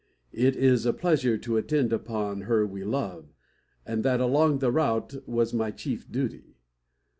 It is a pleasure to attend upon her we love, and that along the route was my chief duty.